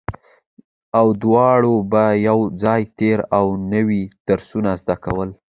او دواړو به يو ځای تېر او نوي درسونه زده کول